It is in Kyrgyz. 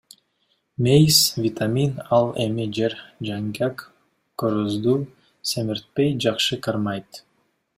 Мейиз — витамин, ал эми жер жаңгак корозду семиртпей жакшы кармайт.